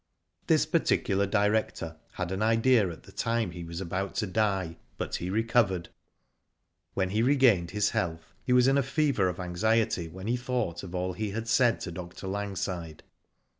This particular director had an idea at the time he was about to die, but he recovered. When he regained his health he was in a fever of anxiety when he thought of all he had said to Dr. Langside.